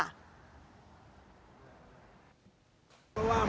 มันว่าแม่ไร่แม่บอกว่าผมรีบไปได้ไหม